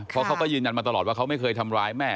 เพราะเขาก็ยืนยันมาตลอดว่าเขาไม่เคยทำร้ายแม่